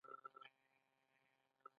تواب چیغه کړه او خلته یې ولوېده.